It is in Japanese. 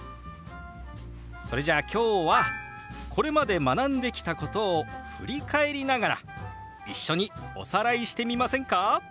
それじゃあ今日はこれまで学んできたことを振り返りながら一緒におさらいしてみませんか？